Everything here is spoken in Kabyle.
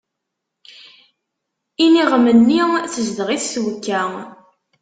Iniɣem-nni tezdeɣ-it twekka.